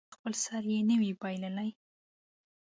تر څو چې خپل سر یې نه وي بایللی.